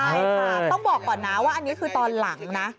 ใช่ค่ะต้องบอกก่อนนะว่าอันนี้คือตอนหลังนะ